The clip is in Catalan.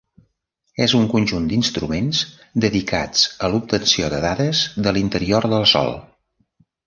És un conjunt d'instruments dedicats a l'obtenció de dades de l'interior del Sol.